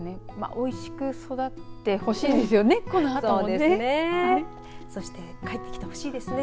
おいしく育ってほしいですよね。